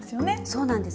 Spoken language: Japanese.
そうなんです。